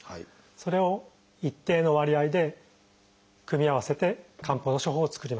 それを一定の割合で組み合わせて漢方の処方を作ります。